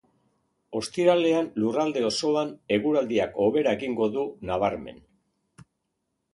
Ostiralean lurralde osoan eguraldiak hobera egingo du nabarmen.